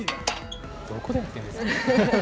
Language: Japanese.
どこでやってるんですか。